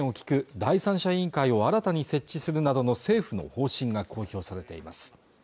第三者委員会を新たに設置するなどの政府の方針が公表されています